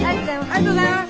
ありがとうございます。